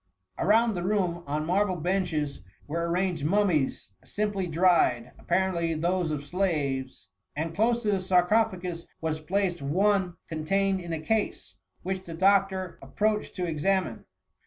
Around the room, on marble benches, were ar ranged mummies simply dried, apparently those of slaves; and close to the scarcophagus was placed one contained in a case, which the doc •■ wm THE MUMMY. 213 tor approached to examine.